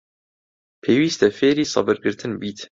پێویستە فێری سەبرگرتن بیت.